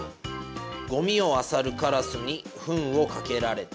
ゴミをあさるカラスにふんをかけられた。